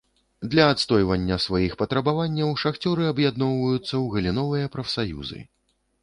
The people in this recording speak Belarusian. Для адстойвання сваіх патрабаванняў шахцёры аб'ядноўваюцца ў галіновыя прафсаюзы.